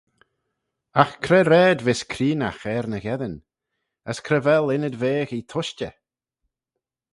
Agh cre raad vees creenaght er ny gheddyn? as cre vel ynnyd-vaghee tushtey?